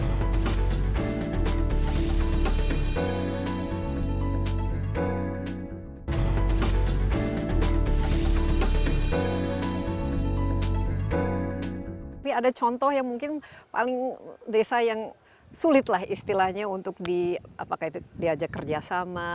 tapi ada contoh yang mungkin paling desa yang sulit lah istilahnya untuk diajak kerjasama